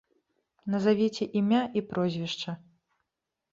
Назавіце імя і прозвішча.